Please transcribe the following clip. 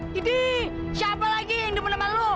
gede siapa lagi yang demen sama lo